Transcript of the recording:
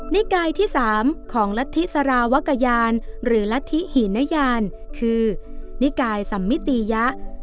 นิกายที่๓ของรัฐธิสารวกยานหรือรัฐธิหินยานคือนิกายสัมมิติยะ